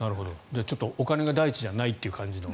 お金が第一じゃないという感じの。